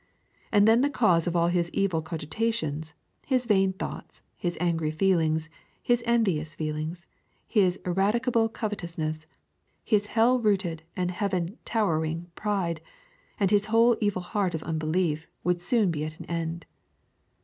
And then the cause of all his evil cogitations, his vain thoughts, his angry feelings, his envious feelings, his ineradicable covetousness, his hell rooted and heaven towering pride, and his whole evil heart of unbelief would soon be at an end.